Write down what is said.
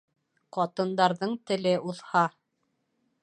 Ҡатындарҙың теле уҙһа